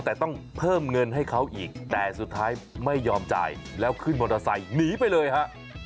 แต่ต้องเพิ่มเงินให้เขาอีกแต่สุดท้ายไม่ยอมจ่ายแล้วขึ้นมอเตอร์ไซค์หนีไปเลยฮะ